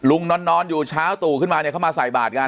นอนอยู่เช้าตู่ขึ้นมาเนี่ยเขามาใส่บาทกัน